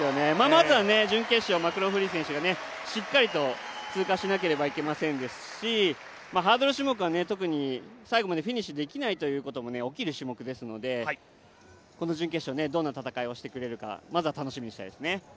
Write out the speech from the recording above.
まずは準決勝、マクローフリン選手がしっかりと通過しなければいけませんしハードル種目は特に最後までフィニッシュできないということも起きる種目なのでこの準決勝どんな戦いをしてくれるかまずは楽しみにしたいですね。